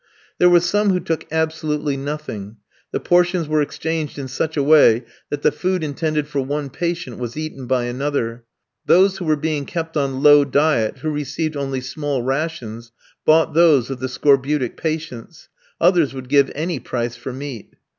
There were some who took absolutely nothing; the portions were exchanged in such a way that the food intended for one patient was eaten by another: those who were being kept on low diet, who received only small rations, bought those of the scorbutic patients; others would give any price for meat.